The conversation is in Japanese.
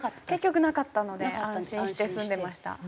結局なかったので安心して住んでました。